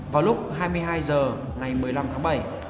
vào lúc hai mươi hai h ngày một mươi năm tháng bảy